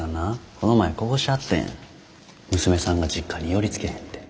この前こぼしてはったんや娘さんが実家に寄りつけへんて。